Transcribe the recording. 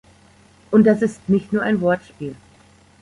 Und das ist nicht nur ein Wortspiel.